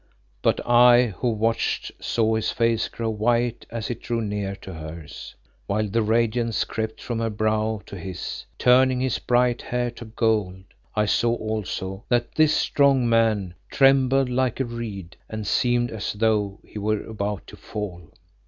But I who watched, saw his face grow white as it drew near to hers. While the radiance crept from her brow to his, turning his bright hair to gold, I saw also that this strong man trembled like a reed and seemed as though he were about to fall.